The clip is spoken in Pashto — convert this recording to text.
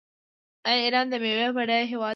ایران د میوو بډایه هیواد دی.